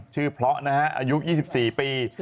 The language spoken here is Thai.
ชื่อเพราะนะครับอายุ๒๔ปี